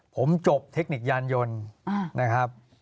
ผมจบเทคนิคยานยนต์